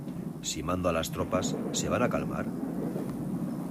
Si mando a las tropas, ¿ se van a calmar?